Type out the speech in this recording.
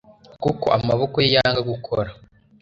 kuko amaboko ye yanga gukora